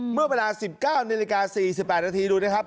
เมื่อเวลา๑๙นาฬิกา๔๘นาทีดูนะครับ